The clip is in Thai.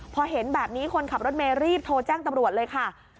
พอเห็นแบบนี้คนขับรถเมย์รีบโทรแจ้งตำรวจเลยค่ะ